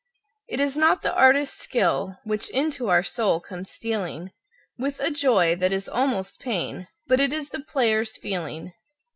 It is not the artist's skill which into our soul comes stealing With a joy that is almost pain, but it is the player's feeling.